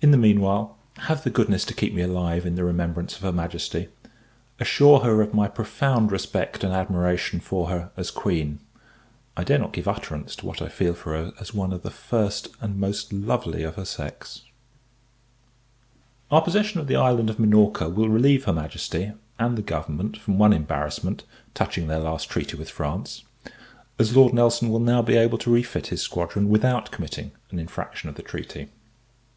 In the meanwhile, have the goodness to keep me alive in the remembrance of her Majesty: assure her of my profound respect and admiration for her as Queen I dare not give utterance to what I feel for her as one of the first and most lovely of her sex. Our possession of the island of Minorca will relieve her Majesty, and the government, from one embarrassment, touching their last treaty with France; as Lord Nelson will now be able to refit his squadron, without committing an infraction of the treaty.